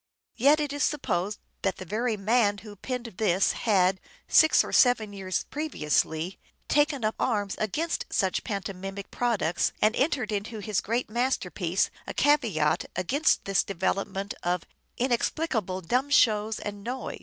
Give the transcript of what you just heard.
Yet it is supposed that the very man who penned all this had, six or seven years previously, taken up arms against such pantomimic products and entered into his great masterpiece a caveat against this develop ment of " inexplicable dumb shows and noise."